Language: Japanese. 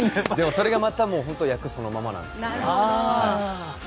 それが多分、役そのままなんですよね。